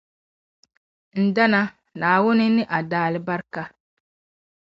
ndana, Naawuni ni a dalibarika .